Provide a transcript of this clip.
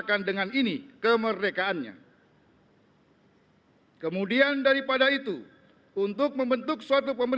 tanda kebesaran tutup